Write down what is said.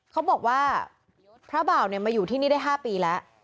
เขาบอกว่าพระบ่าวมาอยู่ที่นี่ได้๕ปีแล้ว